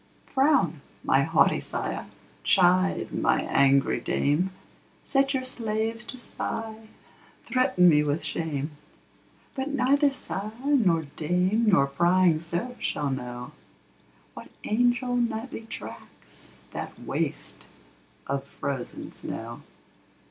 Frown, my haughty sire! chide, my angry dame! Set your slaves to spy; threaten me with shame: But neither sire nor dame, nor prying serf shall know, What angel nightly tracks that waste of frozen snow.